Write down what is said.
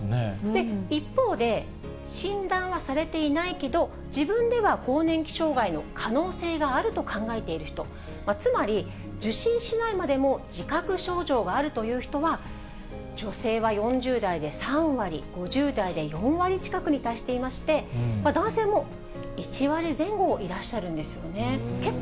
で、一方で、診断はされていないけど、自分では更年期障害の可能性があると考えている人、つまり、受診しないまでも、自覚症状があるという人は、女性は４０代で３割、５０代で４割近くに達していまして、男性も１割前後、いらっしゃるんですよね。